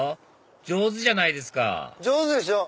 上手じゃないですか上手でしょ。